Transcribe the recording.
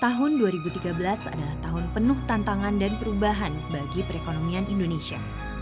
tahun dua ribu tiga belas adalah tahun penuh tantangan dan perubahan bagi perekonomian indonesia